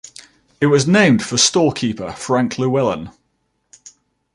It was named for storekeeper Frank Lewellen.